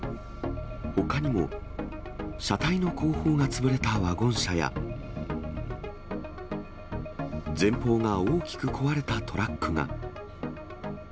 ほかにも車体の後方が潰れたワゴン車や、前方が大きく壊れたトラックが。